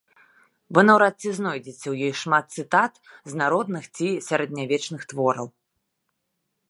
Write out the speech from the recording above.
Вы наўрад ці знойдзеце ў ёй шмат цытат з народных ці сярэднявечных твораў.